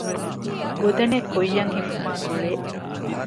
ގުދަނެއް ކުއްޔަށް ހިފުމާ ގުޅޭ